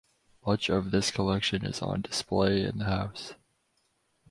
Much of this collection is on display in the house.